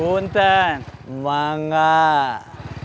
untan emang gak